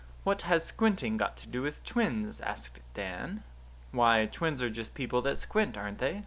"What has squinting got to do with twins?" asked Dan. "Why, twins are just people that squint, aren't they?"